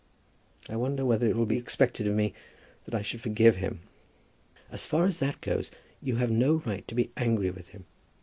I wonder whether it will be expected of me that I should forgive him?" "As far as that goes, you have no right to be angry with him."